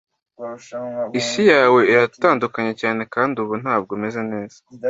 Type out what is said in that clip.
Isi yawe iratandukanye cyane kandi ubu ntabwo meze neza